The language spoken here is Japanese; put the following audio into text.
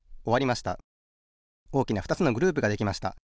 おおきなふたつのグループができました。